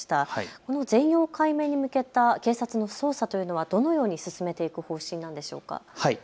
この全容解明に向けた警察の捜査というのはどのように進めていく方針なんでしょうか。